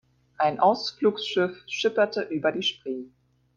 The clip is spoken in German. Ein Ausflugsschiff schipperte über die Spree.